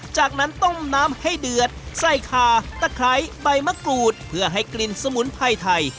จากนั้นต้มน้ำให้เดือดใส่ขาตะไคร้ใบมะกรูดเพื่อให้กลิ่นสมุนไพรไทย